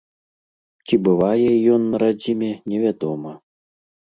Ці бывае ён на радзіме, невядома.